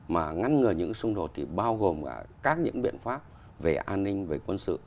mà ngăn ngừa những xung đột thì bao gồm cả các những biện pháp về an ninh về quân sự